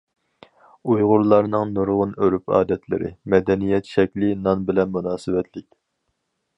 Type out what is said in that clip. ئۇيغۇرلارنىڭ نۇرغۇن ئۆرۈپ- ئادەتلىرى، مەدەنىيەت شەكلى نان بىلەن مۇناسىۋەتلىك.